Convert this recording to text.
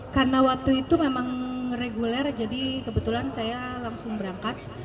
karena waktu itu memang reguler jadi kebetulan saya langsung berangkat